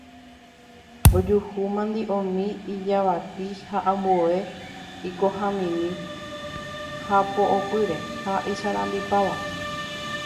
Ojuhu imandi'o, ijavati ha ambue ikogamimi hapo'opyre ha isarambipáva.